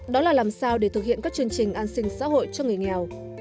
đó là làm sao để thực hiện các chương trình an sinh xã hội cho người nghèo